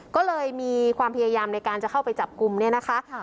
ก็เลยมีความพยายามในการจะเข้าไปจับกลุ่มเนี่ยนะคะ